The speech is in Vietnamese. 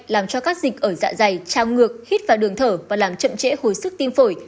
làm cho các dịch ở dạ dày trào ngược hít vào đường thở và làm chậm trễ hồi sức tim phổi